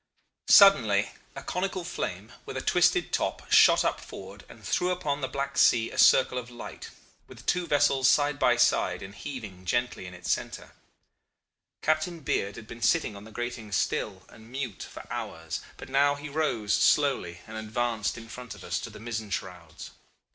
Suddenly a conical flame with a twisted top shot up forward and threw upon the black sea a circle of light, with the two vessels side by side and heaving gently in its center. Captain Beard had been sitting on the gratings still and mute for hours, but now he rose slowly and advanced in front of us, to the mizzen shrouds.